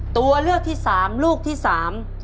ตัวเลือกที่สามลูกที่สาม